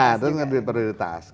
nah itu yang lebih prioritas